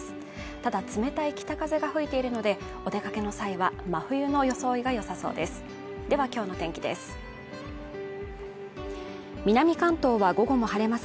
ただ冷たい北風が吹いているのでお出かけの際は真冬の装いがよさそうですでは今日の天気です